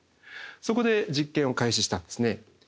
そこで実験を開始したんですね。